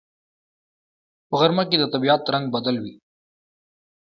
په غرمه کې د طبیعت رنگ بدل وي